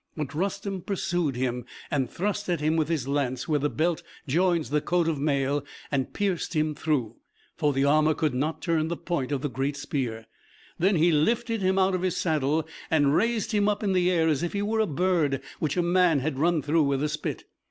But Rustem pursued him, and thrust at him with his lance where the belt joins the coat of mail, and pierced him through, for the armor could not turn the point of the great spear. Then he lifted him out of his saddle, and raised him up in the air, as if he were a bird which a man had run through with a spit.